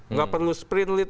nggak perlu sprint lead